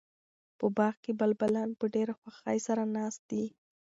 په باغ کې بلبلان په ډېره خوښۍ سره ناست دي.